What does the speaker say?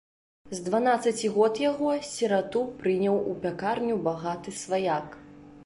З дванаццаці год яго, сірату, прыняў у пякарню багаты сваяк.